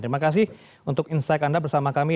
terima kasih untuk insight anda bersama kami